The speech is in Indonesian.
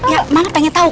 ya mana pengen tau